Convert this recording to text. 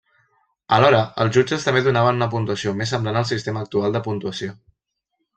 Alhora els jutges també donaven una puntuació més semblant al sistema actual de puntuació.